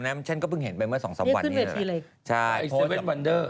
พี่ปุ้ยลูกโตแล้ว